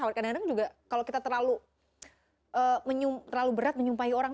kadang kadang juga kalau kita terlalu berat menyumpahi orang